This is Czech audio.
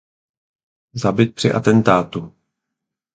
Zabit při atentátu.